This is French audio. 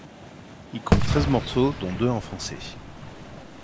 Il compte treize morceaux dont deux en français.